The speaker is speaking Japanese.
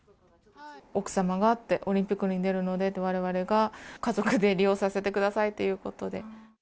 奥様がオリンピックに出るので、われわれが家族で利用させてくださいということで。